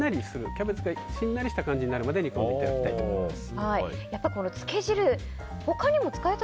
ちょっとキャベツがしんなりした感じになるまで煮込んでいただきたいと思います。